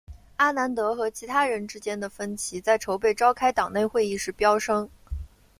阿南德和其他人之间的分歧在筹备召开党内会议时飙升。